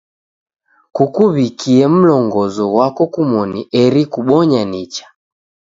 Kukuw'ikie mlongozo ghwako kumoni eri kubonye nicha.